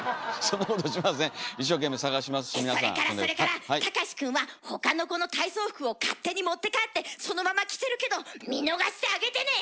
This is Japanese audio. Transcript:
それからそれから隆史くんは他の子の体操服を勝手に持って帰ってそのまま着てるけど見逃してあげてね！